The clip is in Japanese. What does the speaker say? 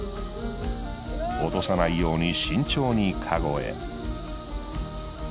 落とさないように慎重にカゴへ。